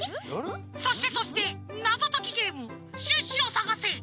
そしてそして「なぞときゲームシュッシュをさがせ」